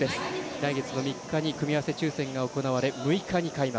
来月の３日に組み合わせ抽選が行われ、６日に開幕。